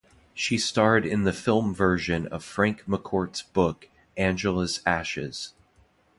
She starred in the film version of Frank McCourt's book, "Angela's Ashes".